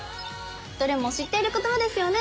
どれも知っている言葉ですよね。